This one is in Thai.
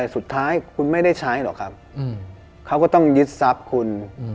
สุดท้ายคุณไม่ได้ใช้หรอกครับเขาก็ต้องยึดทรัพย์คุณ